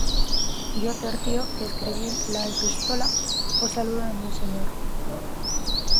Yo Tercio, que escribí la epístola, os saludo en el Señor.